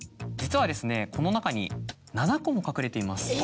実はこの中に７個も隠れています。